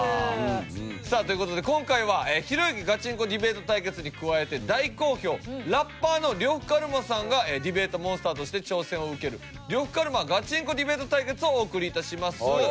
さあという事で今回は「ひろゆきガチンコディベート対決！」に加えて大好評ラッパーの呂布カルマさんがディベートモンスターとして挑戦を受ける「呂布カルマガチンコディベート対決！」をお送りいたします。